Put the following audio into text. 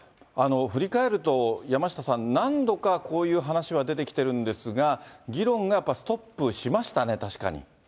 振り返ると、山下さん、何度かこういう話は出てきてるんですが、議論がやっぱりストップしましたね、確かに。